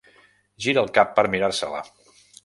Gira el cap per mirar-se-la.